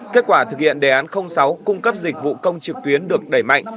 kết quả thực hiện đề án sáu cung cấp dịch vụ công trực tuyến được đẩy mạnh